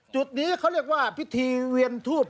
จุดนี้เขาเรียกว่าพิธีเวียนทูบ